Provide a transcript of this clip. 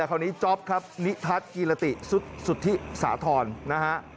คราวนี้จ๊อปครับนิทัศน์กิรติสุธิสาธรณ์นะฮะ